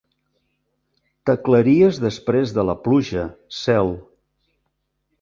T'aclaries després de la pluja, cel.